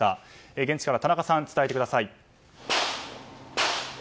現地から田中さん伝えてください。